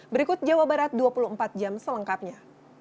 berikut jawa barat dua puluh empat jam selengkapnya